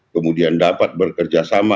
kemudian dapat bekerjasama